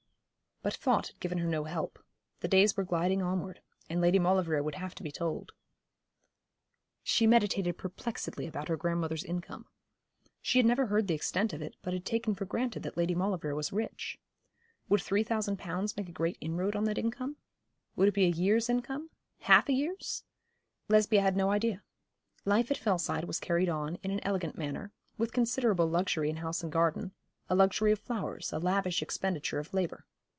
But thought had given her no help. The days were gliding onward, and Lady Maulevrier would have to be told. She meditated perplexedly about her grandmother's income. She had never heard the extent of it, but had taken for granted that Lady Maulevrier was rich. Would three thousand pounds make a great inroad on that income? Would it be a year's income? half a year's? Lesbia had no idea. Life at Fellside was carried on in an elegant manner with considerable luxury in house and garden a luxury of flowers, a lavish expenditure of labour.